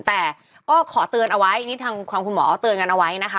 แต่ก็ขอเตือนเอาไว้นี่ทางคุณหมอเขาเตือนกันเอาไว้นะคะ